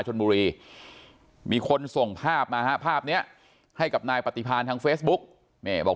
ชนบุรีมีคนส่งภาพมาฮะภาพนี้ให้กับนายปฏิพาณทางเฟซบุ๊กนี่บอก